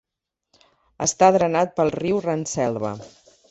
Està drenat pel riu Randselva.